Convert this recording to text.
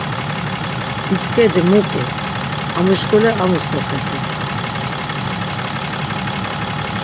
İtzk̆edi mu p̆i, amu şk̆ule amus doxedur.